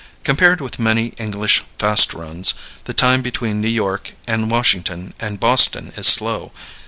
Compared with many English fast runs, the time between New York and Washington and Boston is slow.